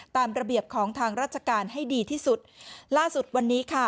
ตามระเบียบของทางราชการให้ดีที่สุดล่าสุดวันนี้ค่ะ